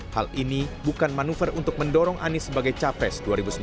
hal ini bukan manuver untuk mendorong anies sebagai capres dua ribu sembilan belas